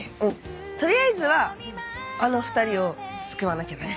取りあえずはあの２人を救わなきゃだね。